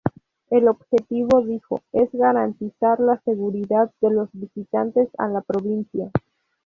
El objetivo, dijo, es garantizar la seguridad de los visitantes a la provincia.